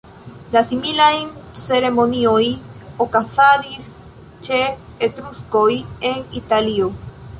La similajn ceremonioj okazadis ĉe Etruskoj en Italio.